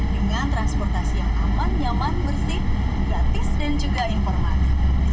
dengan transportasi yang aman nyaman bersih gratis dan juga informatif